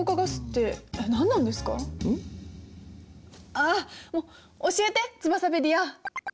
ああっもう教えてツバサペディア。